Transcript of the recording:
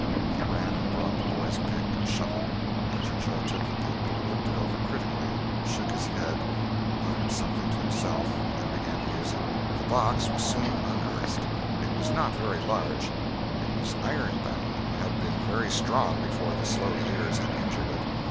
He ran and brought the boys' pick and shovel. Injun Joe took the pick, looked it over critically, shook his head, muttered something to himself, and then began to use it. The box was soon unearthed. It was not very large; it was iron bound and had been very strong before the slow years had injured it.